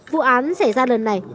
vụ án sẽ ra lần này